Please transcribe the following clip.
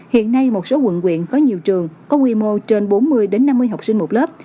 hiện nay một số quận quyện có nhiều trường có quy mô trên bốn mươi năm mươi học sinh một lớp